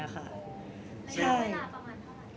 ในเวลาประมาณเท่าไร